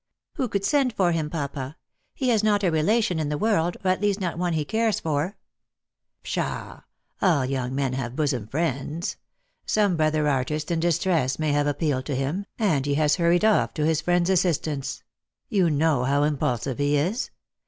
" Who could send for him, papa ? He has not a relation is the world, or at least not one he cares for." " Pshaw ! all young men have bosom friends. Some brothel artist in distress may have appealed to him, and he has hurried off to his friend's assistance. You know how impulsive he is.